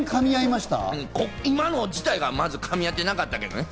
今の自体がかみ合ってなかったけどね。